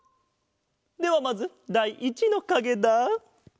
ではまずだい１のかげだ。